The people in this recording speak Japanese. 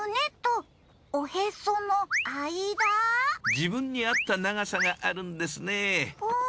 自分に合った長さがあるんですね。